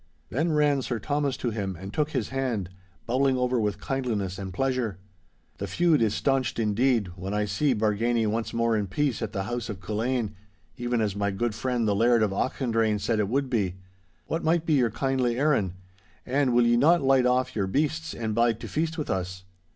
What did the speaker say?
Then ran Sir Thomas to him and took his hand, bubbling over with kindliness and pleasure. 'The feud is staunched indeed, when I see Bargany once more in peace at the house of Culzean, even as my good friend the Laird of Auchendrayne said it would be. What might be your kindly errand? And will ye not light off your beasts and bide to feast with us.